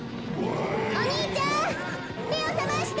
お兄ちゃんめをさまして！